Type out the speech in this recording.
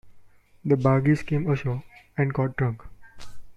The bargees came ashore and got drunk.